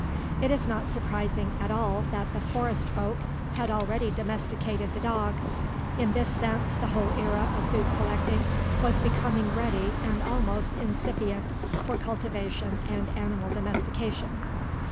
It is not surprising at all that the "Forest folk" had already domesticated the dog. In this sense, the whole era of food collecting was becoming ready and almost "incipient" for cultivation and animal domestication.